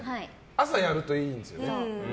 朝やるといいんですよね。